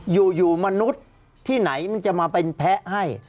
อยู่มนุษย์ที่ไหนมันจะมาเป็นแพ้ให้